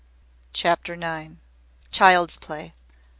CHAPTER NINE. CHILD'S PLAY.